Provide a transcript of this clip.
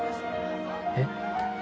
えっ？